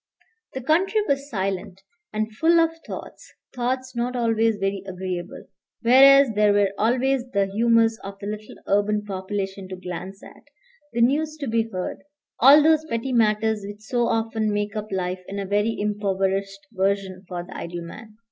The country was silent and full of thoughts, thoughts not always very agreeable, whereas there were always the humors of the little urban population to glance at, the news to be heard, all those petty matters which so often make up life in a very impoverished version for the idle man.